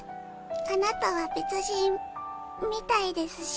あなたは別人みたいですし。